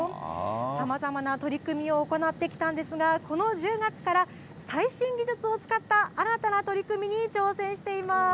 さまざまな取り組みを行ってきたんですが、この１０月から最新技術を使った新たな取り組みに挑戦しています。